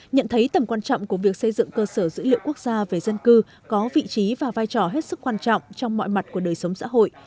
nhận thấy tầm quan trọng của việc xây dựng cơ sở dữ liệu quốc gia về dân cư có vị trí và vai trò hết sức quan trọng trong mọi mặt của đời sống xã hội